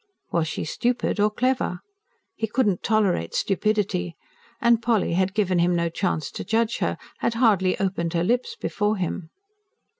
Was she stupid or clever? He could not tolerate stupidity. And Polly had given him no chance to judge her; had hardly opened her lips before him.